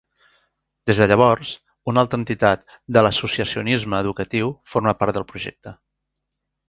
Des de llavors, una altra entitat de l'associacionisme educatiu forma part del projecte.